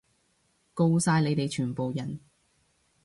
吿晒你哋全部人！